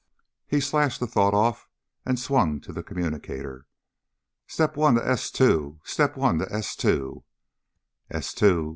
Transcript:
He slashed the thought off and swung to the communicator. "Step One to S two ... Step One to S two ..." "S two."